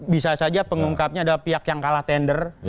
bisa saja pengungkapnya adalah pihak yang kalah tender